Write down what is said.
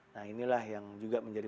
nah inilah yang juga menjadi